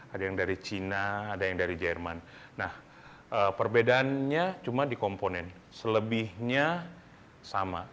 ada yang dari cina ada yang dari jerman nah perbedaannya cuma di komponen selebihnya sama